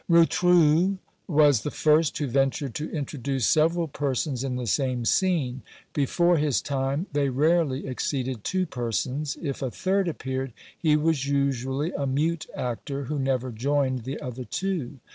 Rotrou was the first who ventured to introduce several persons in the same scene; before his time they rarely exceeded two persons; if a third appeared, he was usually a mute actor, who never joined the other two.